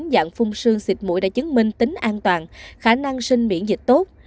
dạng phung xương xịt mũi đã chứng minh tính an toàn khả năng sinh miễn dịch tốt